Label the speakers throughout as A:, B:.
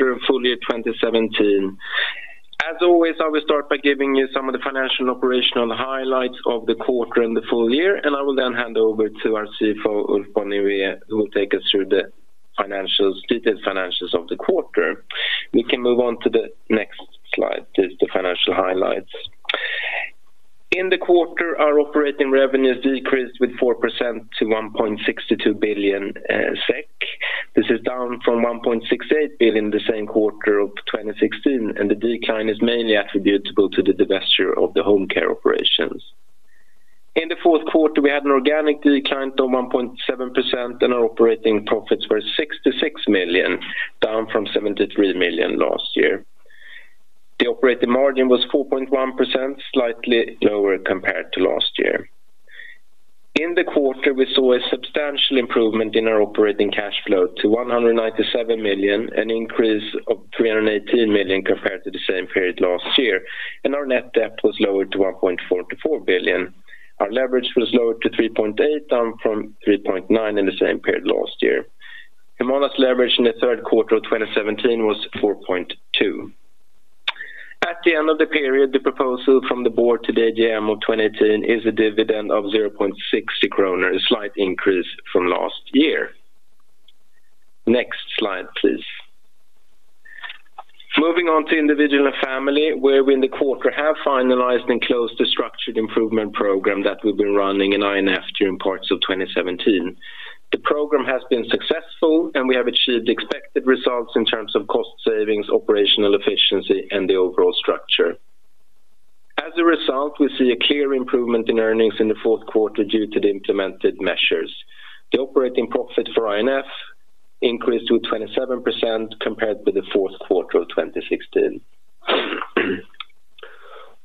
A: Fourth quarter and full year 2017. I will start by giving you some of the financial and operational highlights of the quarter and the full year, I will then hand over to our CFO, Ulf Bonnevier, who will take us through the detailed financials of the quarter. We can move on to the next slide, the financial highlights. In the quarter, our operating revenues decreased by 4% to 1.62 billion SEK. This is down from 1.68 billion the same quarter of 2016, the decline is mainly attributable to the divesture of the home care operations. In the fourth quarter, we had an organic decline of 1.7%, our operating profits were 66 million, down from 73 million last year. The operating margin was 4.1%, slightly lower compared to last year. In the quarter, we saw a substantial improvement in our operating cash flow to 197 million, an increase of 318 million compared to the same period last year, our net debt was lowered to 1.44 billion. Our leverage was lowered to 3.8 down from 3.9 in the same period last year. Humana's leverage in the third quarter of 2017 was 4.2. At the end of the period, the proposal from the board to the AGM of 2018 is a dividend of 0.60 kronor, a slight increase from last year. Next slide, please. Moving on to Individual & Family, where we in the quarter have finalized and closed a structured improvement program that we've been running in INF during parts of 2017. The program has been successful, we have achieved expected results in terms of cost savings, operational efficiency, and the overall structure. As a result, we see a clear improvement in earnings in the fourth quarter due to the implemented measures. The operating profit for INF increased to 27% compared with the fourth quarter of 2016.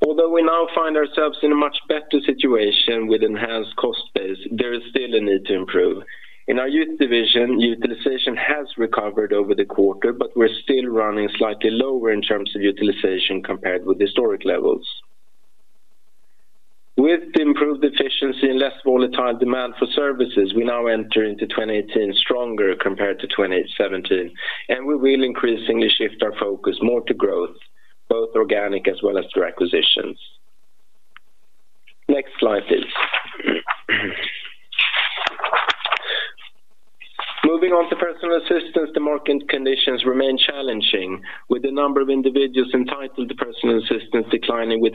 A: Although we now find ourselves in a much better situation with enhanced cost base, there is still a need to improve. In our youth division, utilization has recovered over the quarter, but we're still running slightly lower in terms of utilization compared with historic levels. With the improved efficiency and less volatile demand for services, we now enter into 2018 stronger compared to 2017. We will increasingly shift our focus more to growth, both organic as well as through acquisitions. Next slide, please. Moving on to Personal Assistance, the market conditions remain challenging with the number of individuals entitled to Personal Assistance declining by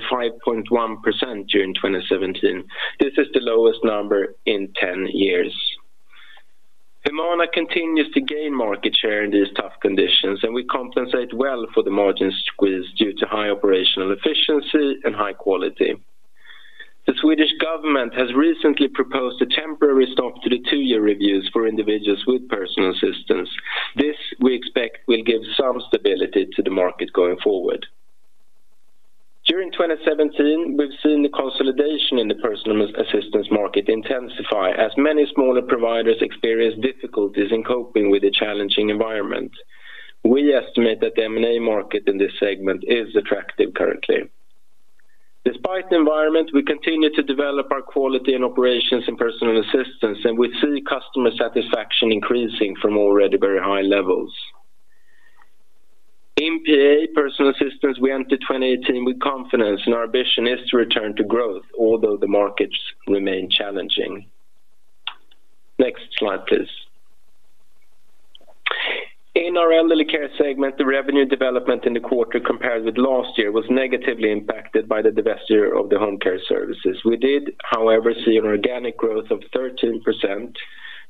A: 5.1% during 2017. This is the lowest number in 10 years. Humana continues to gain market share in these tough conditions, we compensate well for the margin squeeze due to high operational efficiency and high quality. The Swedish government has recently proposed a temporary stop to the two-year reviews for individuals with Personal Assistance. This, we expect, will give some stability to the market going forward. During 2017, we've seen the consolidation in the Personal Assistance market intensify as many smaller providers experience difficulties in coping with the challenging environment. We estimate that the M&A market in this segment is attractive currently. Despite the environment, we continue to develop our quality and operations in Personal Assistance, we see customer satisfaction increasing from already very high levels. In PA, Personal Assistance, we enter 2018 with confidence, our ambition is to return to growth, although the markets remain challenging. Next slide, please. In our Elderly Care segment, the revenue development in the quarter compared with last year was negatively impacted by the divesture of the home care services. We did, however, see an organic growth of 13%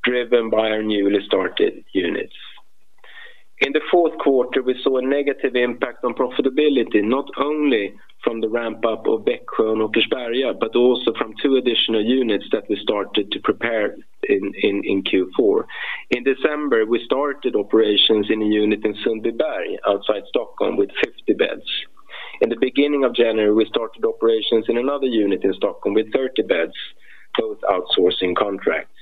A: driven by our newly started units. In the fourth quarter, we saw a negative impact on profitability, not only from the ramp-up of Bäcksjön and Åkersberga, but also from two additional units that we started to prepare in Q4. In December, we started operations in a unit in Sundbyberg outside Stockholm with 50 beds. In the beginning of January, we started operations in another unit in Stockholm with 30 beds, both outsourcing contracts.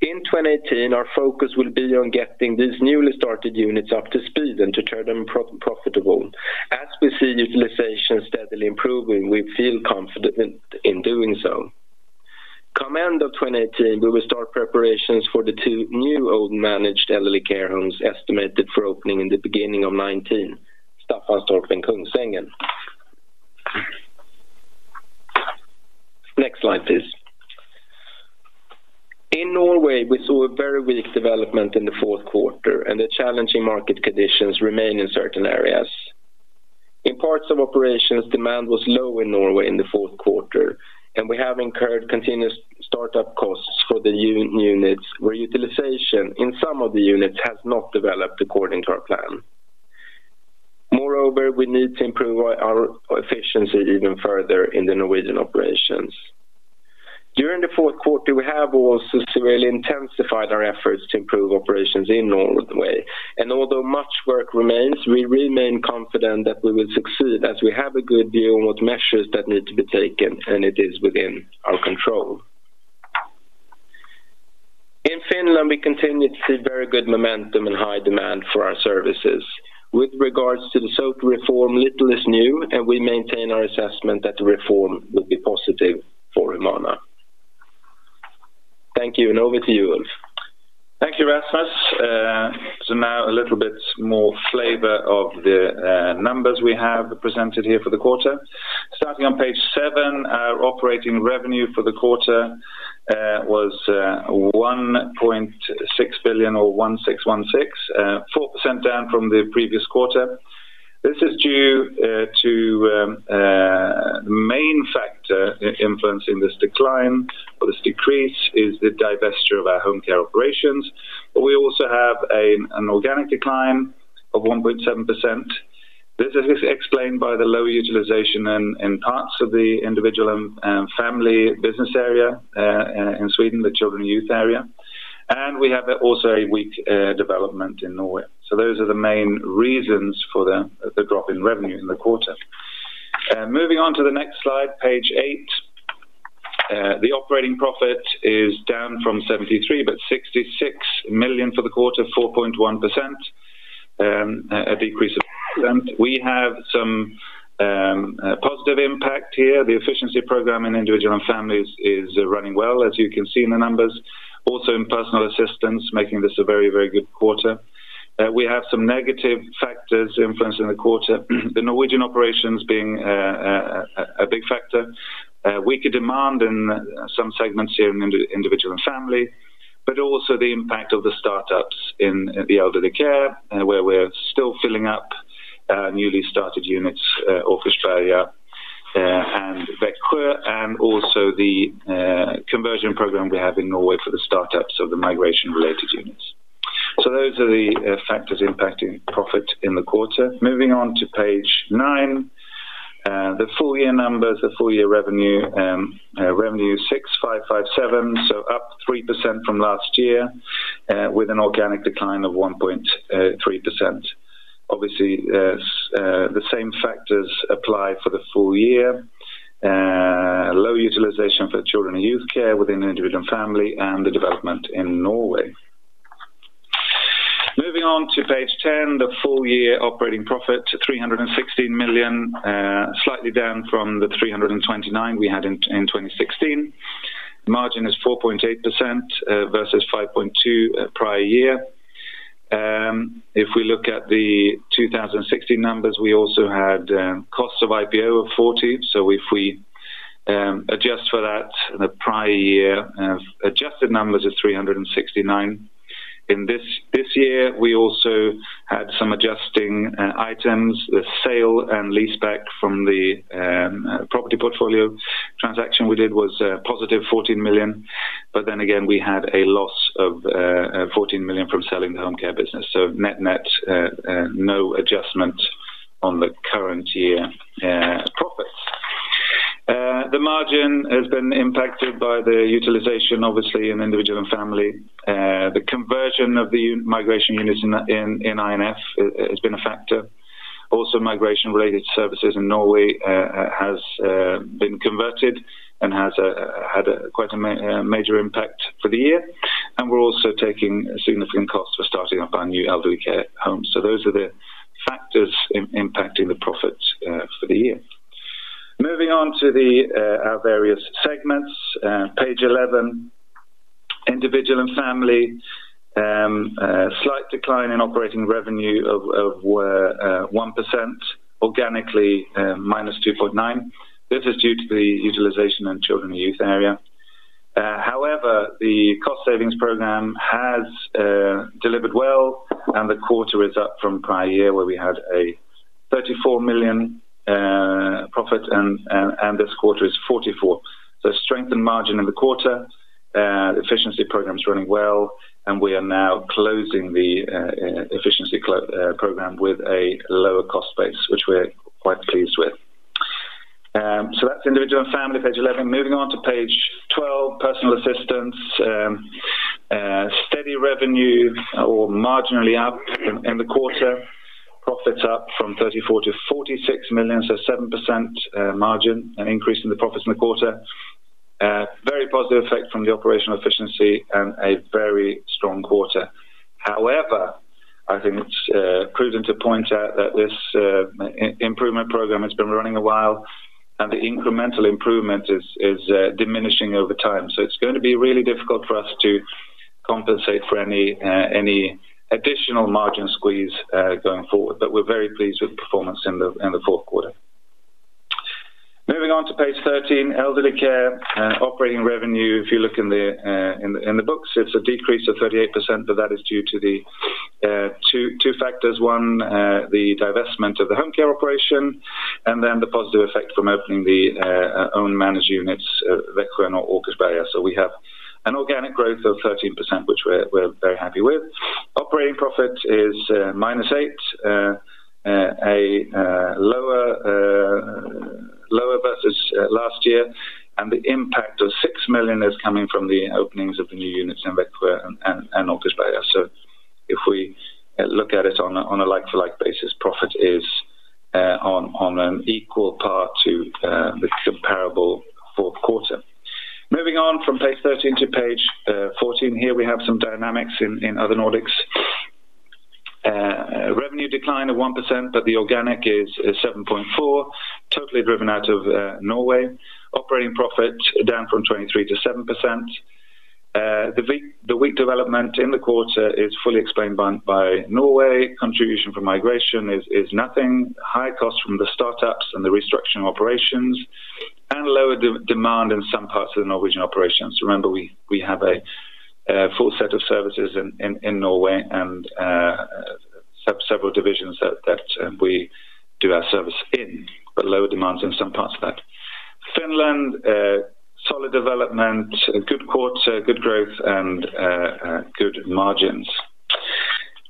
A: In 2018, our focus will be on getting these newly started units up to speed and to turn them profitable. As we see utilization steadily improving, we feel confident in doing so. Come end of 2018, we will start preparations for the two new old managed Elderly Care homes estimated for opening in the beginning of 2019, Staffanstorp and Kungsängen. Next slide, please. In Norway, we saw a very weak development in the fourth quarter, and the challenging market conditions remain in certain areas. In parts of operations, demand was low in Norway in the fourth quarter, and we have incurred continuous startup costs for the units where utilization in some of the units has not developed according to our plan. Moreover, we need to improve our efficiency even further in the Norwegian operations. During the fourth quarter, we have also severely intensified our efforts to improve operations in Norway. And although much work remains, we remain confident that we will succeed as we have a good view on what measures that need to be taken, and it is within our control. In Finland, we continue to see very good momentum and high demand for our services. With regards to the SOTE reform, little is new, and we maintain our assessment that the reform will be positive for Humana. Thank you, and over to you, Ulf.
B: Thank you, Rasmus. Now a little bit more flavor of the numbers we have presented here for the quarter. Starting on page seven, our operating revenue for the quarter was 1.6 billion or 1,616, 4% down from the previous quarter. This is due to main factor influencing this decline or this decrease is the divesture of our home care operations, but we also have an organic decline of 1.7%. This is explained by the low utilization in parts of the Individual & Family business area, in Sweden, the children youth area. And we have also a weak development in Norway. So those are the main reasons for the drop in revenue in the quarter. Moving on to the next slide, page eight. The operating profit is down from 73 million, but 66 million for the quarter, 4.1%. The efficiency program in Individual & Family is running well, as you can see in the numbers, also in Personal Assistance, making this a very good quarter. We have some negative factors influencing the quarter, the Norwegian operations being a big factor. Weaker demand in some segments here in Individual & Family, but also the impact of the startups in the Elderly Care, where we are still filling up newly started units, Åkersberga and Växjö, and also the conversion program we have in Norway for the startups of the migration-related units. Those are the factors impacting profit in the quarter. Moving on to page nine. The full-year numbers, the full-year revenue 6,557, so up 3% from last year, with an organic decline of 1.3%. Obviously, the same factors apply for the full year. Low utilization for children and youth care within the Individual & Family and the development in Norway. Moving on to page 10, the full-year operating profit, 316 million, slightly down from the 329 million we had in 2016. The margin is 4.8%, versus 5.2% prior year. If we look at the 2016 numbers, we also had cost of IPO of 40 million. So if we adjust for that in the prior year, adjusted numbers are 369 million. In this year, we also had some adjusting items. The sale and leaseback from the property portfolio transaction we did was a positive 14 million. Then again, we had a loss of 14 million from selling the home care business. So net-net, no adjustment on the current year profits. The margin has been impacted by the utilization, obviously, in Individual & Family. The conversion of the migration units in I&F has been a factor. Migration-related services in Norway has been converted and had quite a major impact for the year. We are also taking a significant cost for starting up our new Elderly Care homes. Those are the factors impacting the profit for the year. Moving on to our various segments, page 11. Individual & Family, slight decline in operating revenue of 1%, organically -2.9%. This is due to the utilization in children and youth area. However, the cost savings program has delivered well, and the quarter is up from prior year, where we had a 34 million profit and this quarter is 44 million. So strengthened margin in the quarter. The efficiency program is running well, and we are now closing the efficiency program with a lower cost base, which we are quite pleased with. So that is Individual & Family, page 11. Moving on to page 12, Personal Assistance. Steady revenue or marginally up in the quarter. Profit is up from 34 million to 46 million, so 7% margin, an increase in the profits in the quarter. Very positive effect from the operational efficiency and a very strong quarter. I think it is prudent to point out that this improvement program has been running a while, and the incremental improvement is diminishing over time. So it is going to be really difficult for us to compensate for any additional margin squeeze going forward. We are very pleased with performance in the fourth quarter. Moving on to page 13, Elderly Care operating revenue. If you look in the books, it is a decrease of 38%, but that is due to two factors. One, the divestment of the home care operation, and then the positive effect from opening the own managed units, Växjö and Åkersberga. We have an organic growth of 13%, which we are very happy with. Operating profit is -8, lower versus last year, and the impact of 6 million is coming from the openings of the new units in Växjö and Åkersberga. If we look at it on a like-to-like basis, profit is on an equal par to the comparable fourth quarter. Moving on from page 13 to page 14, here we have some dynamics in Other Nordics. Revenue decline of 1%, but the organic is 7.4%, totally driven out of Norway. Operating profit down from 23% to 7%. The weak development in the quarter is fully explained by Norway. Contribution from migration is nothing. High cost from the startups and the restructuring operations, and lower demand in some parts of the Norwegian operations. Remember, we have a full set of services in Norway and several divisions that we do our service in, but lower demands in some parts of that. Finland, solid development, good quarter, good growth, and good margins.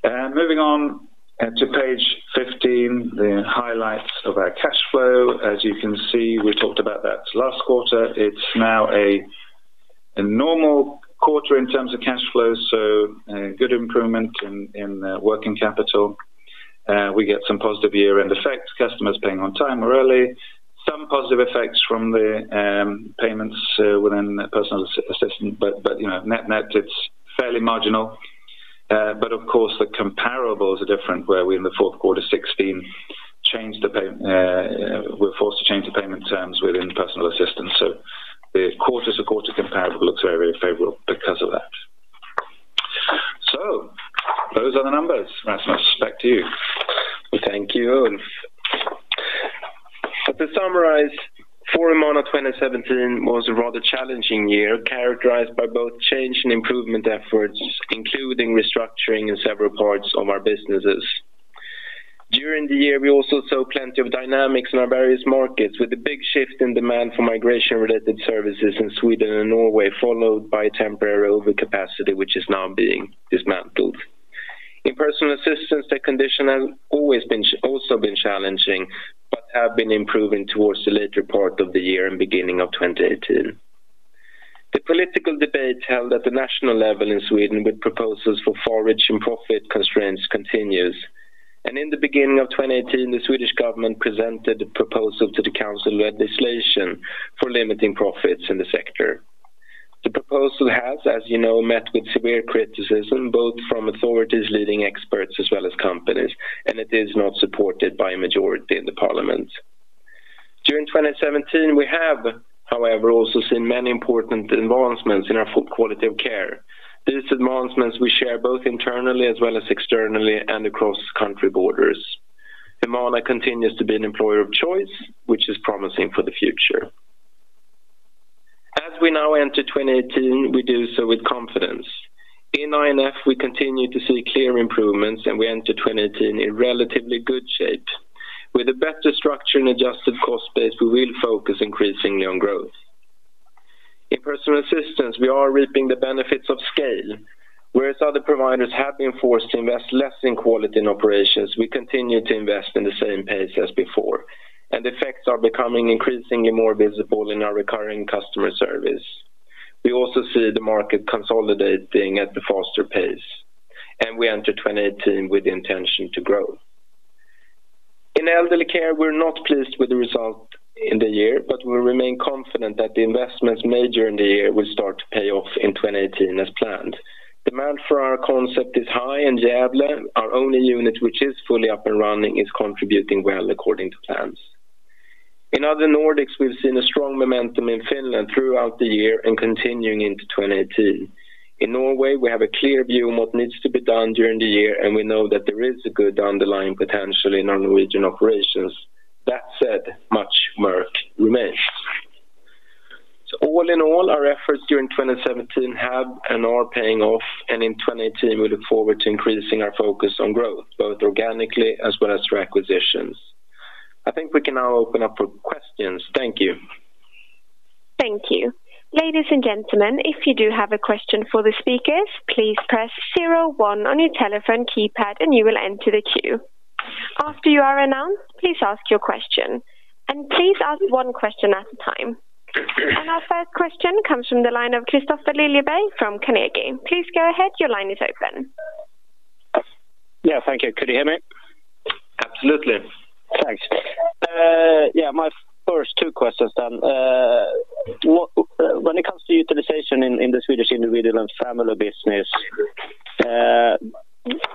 B: Moving on to page 15, the highlights of our cash flow. As you can see, we talked about that last quarter. It is now a normal quarter in terms of cash flow, so good improvement in working capital. We get some positive year-end effects, customers paying on time or early, some positive effects from the payments within Personal Assistance, but net, it is fairly marginal. Of course, the comparables are different, where we in the fourth quarter 2016, were forced to change the payment terms within Personal Assistance. The quarter-to-quarter comparable looks very favorable because of that. Those are the numbers. Rasmus, back to you.
A: Thank you. To summarize, for Humana 2017 was a rather challenging year, characterized by both change and improvement efforts, including restructuring in several parts of our businesses. During the year, we also saw plenty of dynamics in our various markets, with a big shift in demand for migration-related services in Sweden and Norway, followed by temporary overcapacity, which is now being dismantled. In Personal Assistance, the condition has also been challenging, but have been improving towards the latter part of the year and beginning of 2018. The political debate held at the national level in Sweden with proposals for further and profit constraints continues. In the beginning of 2018, the Swedish government presented a proposal to the council legislation for limiting profits in the sector. The proposal has, as you know, met with severe criticism, both from authorities, leading experts, as well as companies, and it is not supported by a majority in the Parliament. During 2017, we have, however, also seen many important advancements in our quality of care. These advancements we share both internally as well as externally and across country borders. Humana continues to be an employer of choice, which is promising for the future. As we now enter 2018, we do so with confidence. In I&F, we continue to see clear improvements, and we enter 2018 in relatively good shape. With a better structure and adjusted cost base, we will focus increasingly on growth. In Personal Assistance, we are reaping the benefits of scale, whereas other providers have been forced to invest less in quality and operations. We continue to invest in the same pace as before, effects are becoming increasingly more visible in our recurring customer service. We also see the market consolidating at a faster pace, we enter 2018 with the intention to grow. In Elderly Care, we are not pleased with the result in the year, we remain confident that the investments made during the year will start to pay off in 2018 as planned. Demand for our concept is high in Gävle. Our only unit which is fully up and running is contributing well according to plans. In Other Nordics, we've seen a strong momentum in Finland throughout the year and continuing into 2018. In Norway, we have a clear view on what needs to be done during the year, we know that there is a good underlying potential in our Norwegian operations. That said, much work remains. All in all, our efforts during 2017 have and are paying off, in 2018, we look forward to increasing our focus on growth, both organically as well as through acquisitions. I think we can now open up for questions. Thank you.
C: Thank you. Ladies and gentlemen, if you do have a question for the speakers, please press 01 on your telephone keypad and you will enter the queue. After you are announced, please ask your question. Please ask one question at a time. Our first question comes from the line of Kristofer Liljeberg from Carnegie. Please go ahead. Your line is open.
D: Yeah, thank you. Could you hear me?
A: Absolutely.
D: Thanks. Yeah, my first two questions then. When it comes to utilization in the Swedish Individual & Family business,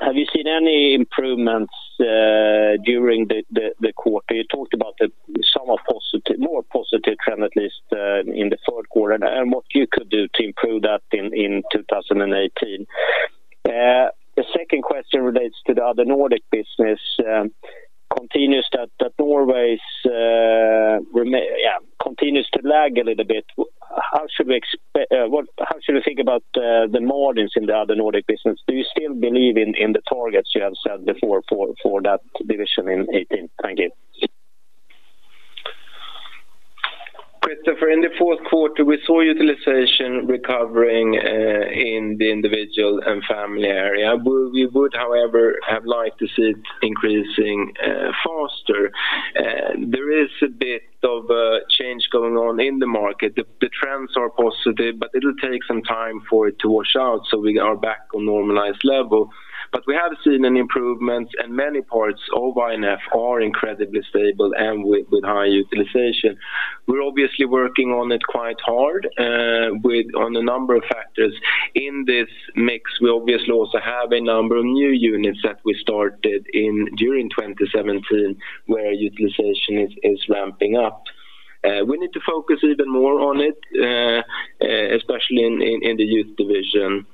D: have you seen any improvements during the quarter? You talked about the more positive trend, at least in the fourth quarter, and what you could do to improve that in 2018. The second question relates to the Other Nordics business. Norway continues to lag a little bit. How should we think about the margins in the Other Nordics business? Do you still believe in the targets you have said before for that division in 2018? Thank you.
A: Kristofer, in the fourth quarter, we saw utilization recovering in the Individual & Family area. We would, however, have liked to see it increasing faster. There is a bit of change going on in the market. The trends are positive, but it will take some time for it to wash out so we are back on normalized level. We have seen an improvement in many parts of I&F are incredibly stable and with high utilization. We are obviously working on it quite hard on a number of factors. In this mix, we obviously also have a number of new units that we started during 2017, where utilization is ramping up. We need to focus even more on it, especially in the youth division.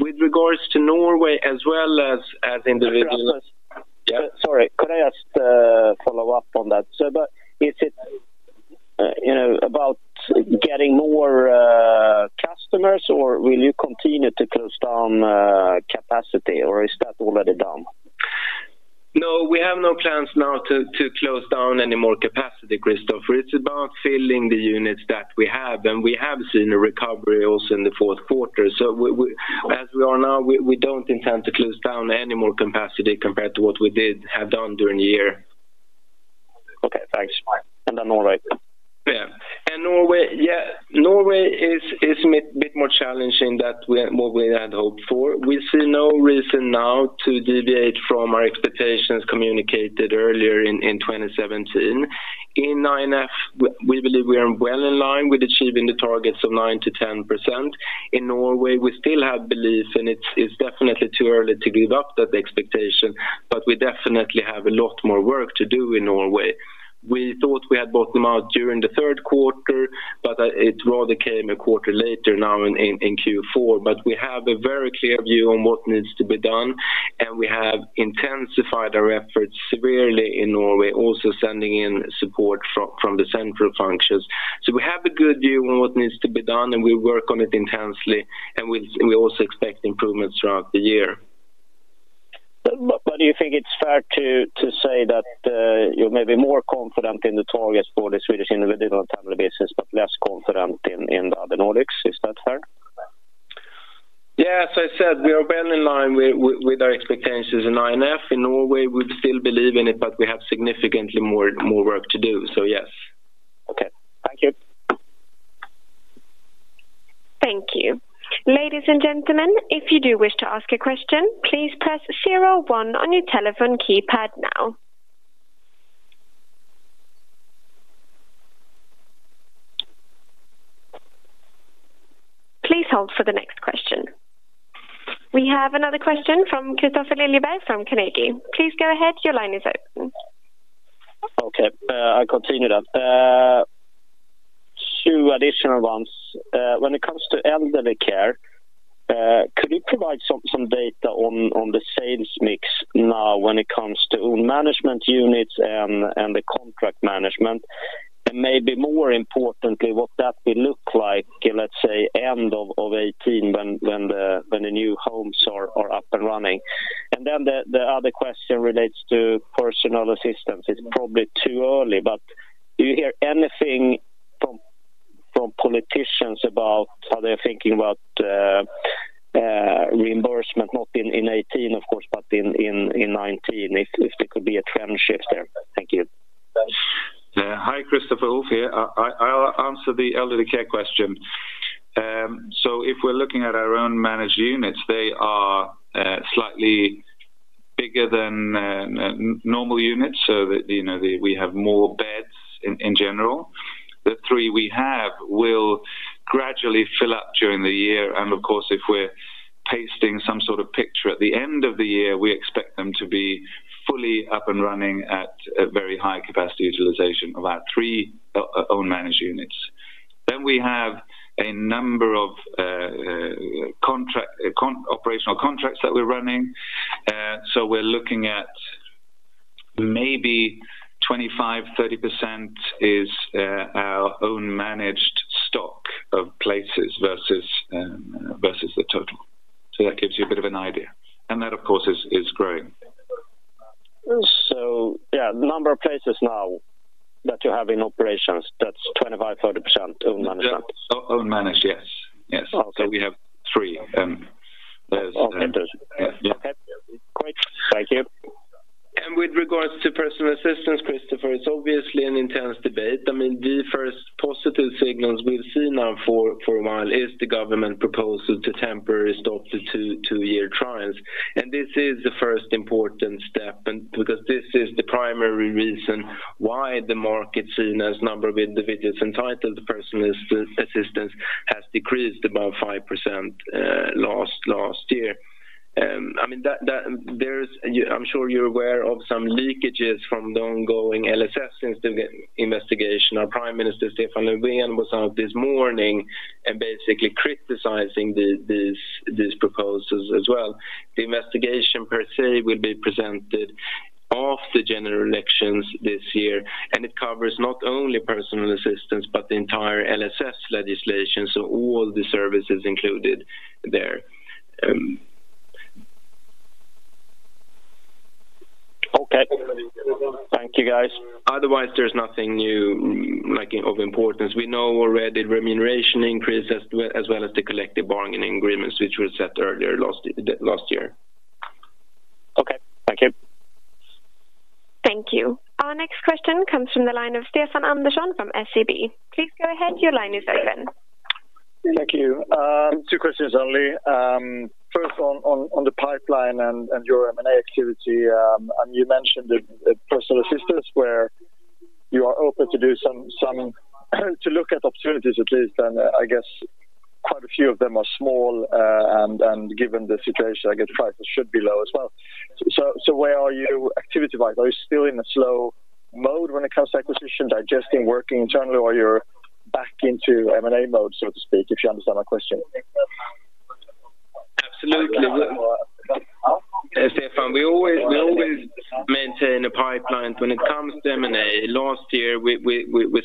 A: With regards to Norway as well as in the division.
D: Sorry, could I just follow up on that? Is it about getting more customers, or will you continue to close down capacity, or is that already done?
A: We have no plans now to close down any more capacity, Kristofer. It's about filling the units that we have, and we have seen a recovery also in the fourth quarter. As we are now, we don't intend to close down any more capacity compared to what we have done during the year.
D: Okay, thanks. Fine. On Norway?
A: Yeah. Norway is a bit more challenging than what we had hoped for. We see no reason now to deviate from our expectations communicated earlier in 2017. In I&F, we believe we are well in line with achieving the targets of 9%-10%. In Norway, we still have belief, and it's definitely too early to give up that expectation, but we definitely have a lot more work to do in Norway. We thought we had bottomed out during the third quarter, but it rather came a quarter later now in Q4. We have a very clear view on what needs to be done, and we have intensified our efforts severely in Norway, also sending in support from the central functions. We have a good view on what needs to be done, and we work on it intensely, and we also expect improvements throughout the year.
D: Do you think it's fair to say that you may be more confident in the targets for the Swedish Individual & Family business, but less confident in the Other Nordics? Is that fair?
A: Yeah. As I said, we are well in line with our expectations in I&F. In Norway, we still believe in it, but we have significantly more work to do. Yes.
D: Okay. Thank you.
C: Thank you. Ladies and gentlemen, if you do wish to ask a question, please press 01 on your telephone keypad now. Please hold for the next question. We have another question from Kristofer Liljeberg from Carnegie. Please go ahead. Your line is open.
D: Okay. I continue that. Two additional ones. When it comes to Elderly Care, could you provide some data on the sales mix now when it comes to own management units and the contract management? Maybe more importantly, what that will look like, let's say, end of 2018 when the new homes are up and running. The other question relates to Personal Assistance. It's probably too early, but do you hear anything from politicians about how they're thinking about reimbursement, not in 2018 of course, but in 2019, if there could be a trend shift there? Thank you.
B: Hi, Kristofer. Ulf here. I'll answer the Elderly Care question. If we're looking at our own managed units, they are slightly bigger than normal units, so that we have more beds in general. The three we have will gradually fill up during the year, of course, if we're pasting some sort of picture at the end of the year, we expect them to be fully up and running at a very high capacity utilization of our three own managed units. We have a number of operational contracts that we're running. We're looking at maybe 25%-30% is our own managed stock of places versus the total. That gives you a bit of an idea. That, of course, is growing.
D: Yeah, the number of places now that you have in operations, that's 25%-30% owned managed.
B: Owned managed, yes.
D: Okay.
B: We have three.
D: Okay. Interesting.
B: Yeah.
D: Great. Thank you.
A: With regards to Personal Assistance, Kristofer, it's obviously an intense debate. The first positive signals we've seen now for a while is the government proposal to temporarily stop the two-year trials. This is the first important step because this is the primary reason why the market has seen its number of individuals entitled to Personal Assistance has decreased about 5% last year. I'm sure you're aware of some leakages from the ongoing LSS investigation. Our Prime Minister, Stefan Löfven, was out this morning and basically criticizing these proposals as well. The investigation per se will be presented after the general elections this year, and it covers not only Personal Assistance but the entire LSS legislation, so all the services included there.
D: Okay. Thank you, guys.
A: Otherwise, there's nothing new of importance. We know already remuneration increase as well as the collective bargaining agreements which were set earlier last year.
D: Okay. Thank you.
C: Thank you. Our next question comes from the line of Stefan Andersson from SEB. Please go ahead. Your line is open.
E: Thank you. Two questions only. First on the pipeline and your M&A activity. You mentioned the Personal Assistance where you are open to look at opportunities, at least, and I guess quite a few of them are small, and given the situation, I guess prices should be low as well. Where are you activity-wise? Are you still in a slow mode when it comes to acquisition, digesting, working internally, or you're back into M&A mode, so to speak? If you understand my question.
A: Absolutely. Stefan, we always maintain a pipeline when it comes to M&A. Last year, we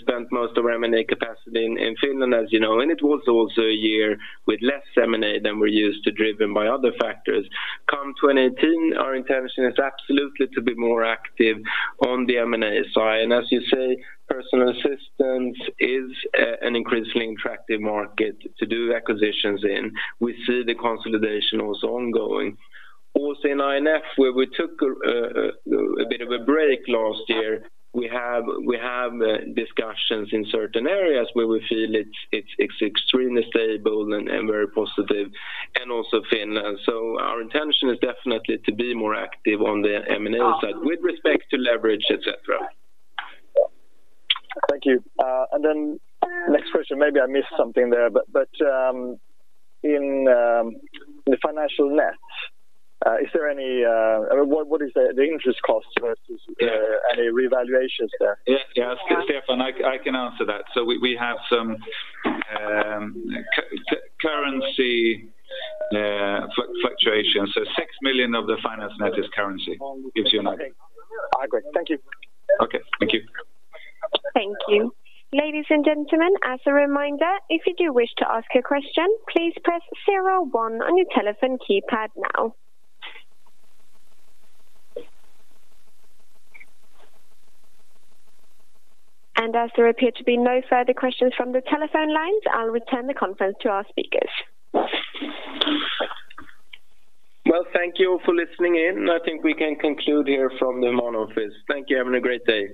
A: spent most of our M&A capacity in Finland, as you know, and it was also a year with less M&A than we're used to, driven by other factors. Come 2018, our intention is absolutely to be more active on the M&A side. As you say, Personal Assistance is an increasingly attractive market to do acquisitions in. We see the consolidation also ongoing. Also in INF, where we took a bit of a break last year, we have discussions in certain areas where we feel it's extremely stable and very positive, and also Finland. Our intention is definitely to be more active on the M&A side with respect to leverage, et cetera.
E: Thank you. Next question, maybe I missed something there, but in the financial net, what is the interest cost versus any revaluations there?
B: Yes, Stefan, I can answer that. We have some currency fluctuation. 6 million of the finance net is currency, if you know.
E: Okay, great. Thank you.
A: Okay, thank you.
C: Thank you. Ladies and gentlemen, as a reminder, if you do wish to ask a question, please press 01 on your telephone keypad now. As there appear to be no further questions from the telephone lines, I'll return the conference to our speakers.
A: Well, thank you all for listening in. I think we can conclude here from the Humana office. Thank you. Have a great day.